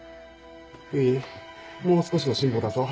唯もう少しの辛抱だぞ。